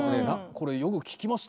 これよく聴きましたね。